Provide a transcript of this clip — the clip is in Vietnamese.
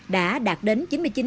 đã đạt đến chín mươi chín tám